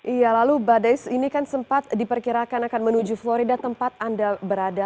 iya lalu badai ini kan sempat diperkirakan akan menuju florida tempat anda berada